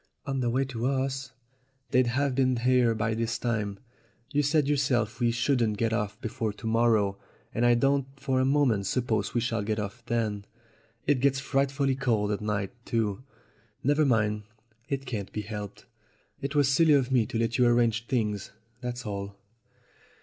"On the way to us? They'd have been here by this time. You said yourself we shouldn't get off before to morrow, and I don't for a moment suppose we shall get off then. It gets frightfully cold at night too. Never mind; it can't be helped. It was silly of me to let you arrange things, that's all."